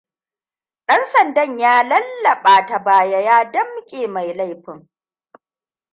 Ɗan sandan ya lallaɓa ta baya ya damƙe mai laifin.